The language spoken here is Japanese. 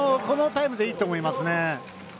このタイムでいいと思います。